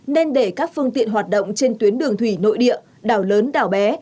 nên để các phương tiện hoạt động trên tuyến đường thủy nội địa đảo lớn đảo bé